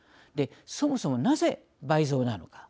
そもそも、なぜ倍増なのか。